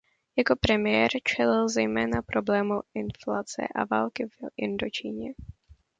Jako premiér čelil zejména problému inflace a války v Indočíně.